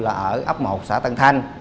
là ở ấp một xã tân thành